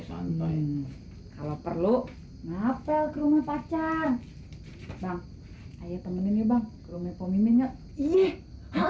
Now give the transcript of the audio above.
santai kalau perlu ngapel kerumah pacar bang ayo temenin bang kerumah pemimpinnya iye hah